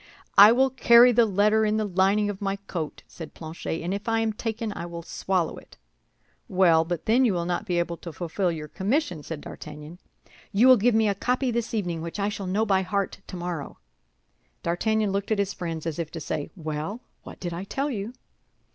"I will carry the letter in the lining of my coat," said Planchet; "and if I am taken I will swallow it." "Well, but then you will not be able to fulfill your commission," said D'Artagnan. "You will give me a copy this evening, which I shall know by heart tomorrow." D'Artagnan looked at his friends, as if to say, "Well, what did I tell you?"